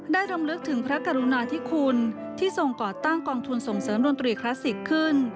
รำลึกถึงพระกรุณาธิคุณที่ทรงก่อตั้งกองทุนส่งเสริมดนตรีคลาสสิกขึ้น